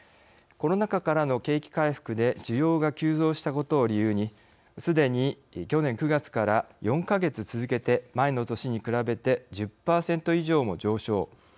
コロナ禍からの景気回復で需要が急増したことを理由にすでに去年９月から４か月続けて前の年に比べて１０％以上も上昇。